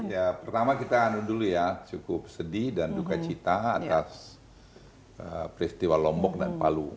ya pertama kita anu dulu ya cukup sedih dan duka cita atas peristiwa lombok dan palu